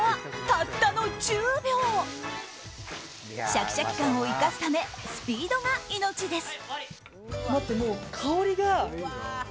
シャキシャキ感を生かすためスピードが命です。